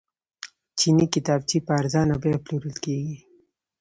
چیني کتابچې په ارزانه بیه پلورل کیږي.